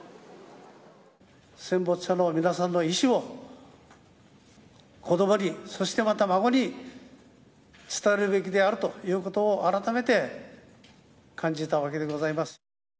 戦没者の皆さんの遺志を子どもに、そしてまた孫に、伝えるべきであるということを、改めて感じたわけでございます。